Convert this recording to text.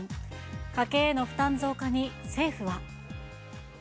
家計への負担増加に政府は。